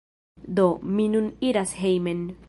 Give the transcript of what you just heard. Do, mi nun iras hejmen